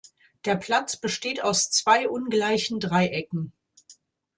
Der Platz besteht aus zwei ungleichen Dreiecken.